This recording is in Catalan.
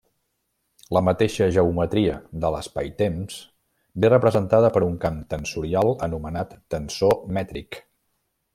La mateixa geometria de l'espaitemps ve representada per un camp tensorial anomenat tensor mètric.